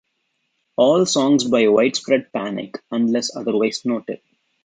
All songs by Widespread Panic unless otherwise noted.